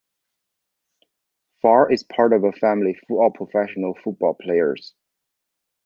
Farr is part of a family full of professional football players.